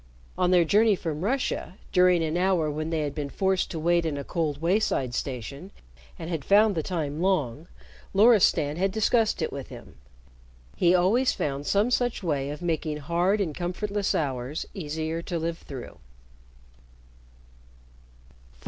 On their journey from Russia, during an hour when they had been forced to wait in a cold wayside station and had found the time long, Loristan had discussed it with him. He always found some such way of making hard and comfortless hours easier to live through.